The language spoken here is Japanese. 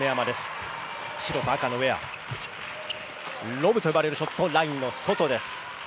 ロブと呼ばれるショットはラインの外です。